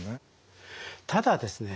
ただですね